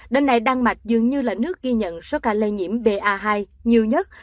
đến này đan mạch dường như là nước ghi nhận số ca lây nhiễm ba hai nhiều nhất